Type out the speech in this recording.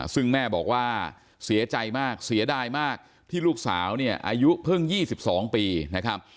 ซึ่งแม่บอกว่าเสียใจมากเสียดายมากที่ลูกสาวเนี่ยอายุเพิ่ง๒๒ปีนะครับ